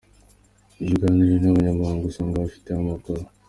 Iyo uganiriye n’abanyamahanga usanga batabifiteho amakuru.